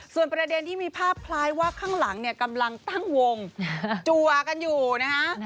ส่วนประเด็นที่มีภาพคล้ายว่าข้างหลังเนี่ยกำลังตั้งวงจัวกันอยู่นะฮะ